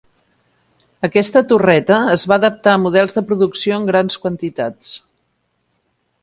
Aquesta torreta es va adaptar a models de producció en grans quantitats.